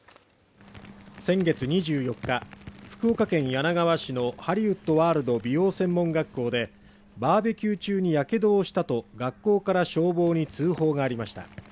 先月２４日、福岡県柳川市のハリウッドワールド美容専門学校でバーベキュー中にやけどをしたと、学校から消防に通報がありました。